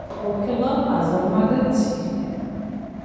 ყოფილი ყაზარმა და ციხე.